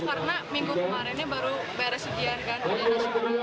karena minggu kemarinnya baru beres ujian kan